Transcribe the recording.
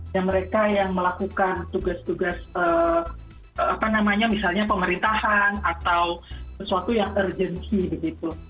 dan mereka yang melakukan tugas tugas apa namanya misalnya pemerintahan atau sesuatu yang urgency begitu